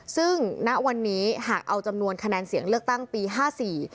ซึ่งณวันนี้หากเอาจำนวนคะแนนเสียงเลือกตั้งปีห้าสี่